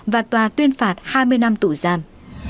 và tòa tuyên phạt hai mươi năm tủ giam